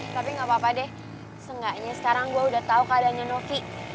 tapi gak apa apa deh seenggaknya sekarang gue udah tau keadaannya novi